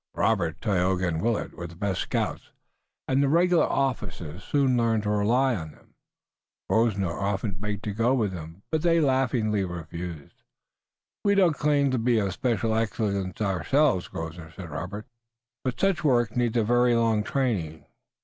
Robert, Tayoga and Willet were the best scouts and the regular officers soon learned to rely on them. Grosvenor often begged to go with them, but they laughingly refused. "We don't claim to be of special excellence ourselves, Grosvenor," said Robert, "but such work needs a very long training.